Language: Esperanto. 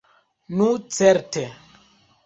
Nu certe!